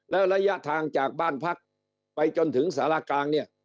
แล้วระยะทางจากบ้านพักไปจนถึงสารกลางเนี่ย